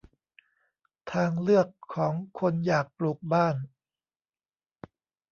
ทางเลือกของคนอยากปลูกบ้าน